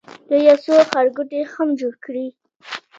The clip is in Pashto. دوی یو څو ښارګوټي هم جوړ کړي.